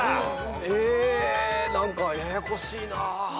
え何かややこしいな。